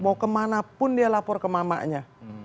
mau kemana pun dia lapor ke mamanya